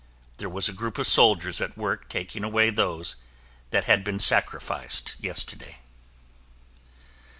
There was a group of soldiers at work taking away those that had been sacrificed yesterday.